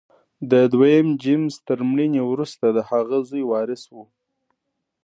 د دویم جېمز تر مړینې وروسته د هغه زوی وارث و.